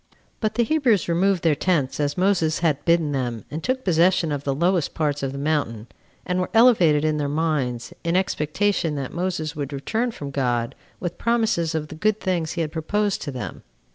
But the Hebrews removed their tents as Moses had bidden them, and took possession of the lowest parts of the mountain; and were elevated in their minds, in expectation that Moses would return from God with promises of the good things he had proposed to them.